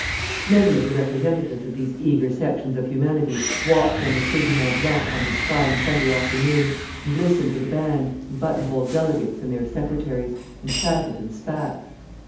Many of the representatives of these eager sections of humanity walked on the Quai du Mont Blanc on this fine Sunday afternoon and listened to the band, and buttonholed delegates and their secretaries, and chatted, and spat.